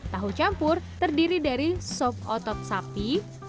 tahu campur terdiri dari sop otot sapi